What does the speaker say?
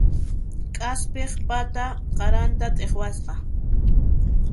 K'aspiq pata qaranta t'iqwasqa.